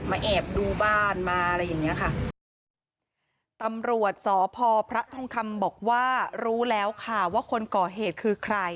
แอบดูบ้านมาอะไรอย่างเงี้ยค่ะตำรวจสพพระทองคำบอกว่ารู้แล้วค่ะว่าคนก่อเหตุคือใคร